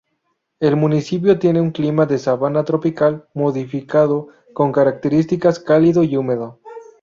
El municipio tiene un clima de sabana tropical, modificado con características cálido y húmedo.